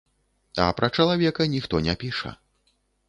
А пра чалавека ніхто не піша.